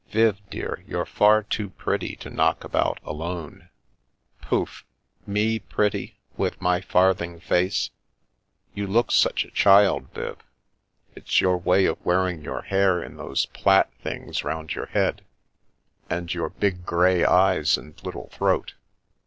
" Viv, dear, you're far too pretty to knock about alone." " Pouf 1 Me pretty, with my farthing face !"" You look such a child, Viv. It's your way of wear ing your hair in those plait things round your head, and your big grey eyes and little throat.